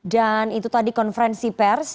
dan itu tadi konferensi pers